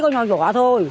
có nhỏ nhỏ